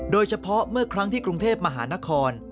โดยเฉพาะเมื่อครั้งที่กรุงเทพมหานคร